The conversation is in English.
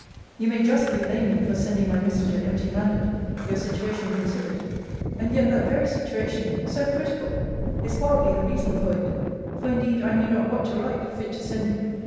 You may justly blame me for sending my messenger empty handed, your situation considered; and yet that very situation (so critical!) is partly the reason for it: for indeed I knew not what to write, fit to send you.